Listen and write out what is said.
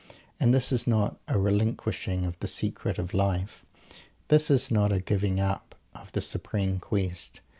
And this is not a relinquishing of the secret of life. This is not a giving up of the supreme quest.